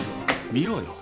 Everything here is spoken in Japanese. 見ろよ。